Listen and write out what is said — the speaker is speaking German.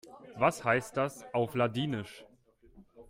Was heißt das auf Ladinisch?